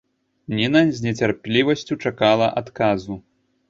Ніна з нецярплівасцю чакала адказу.